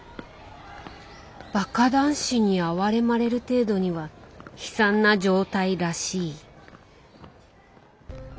バカ男子に哀れまれる程度には悲惨な状態らしい。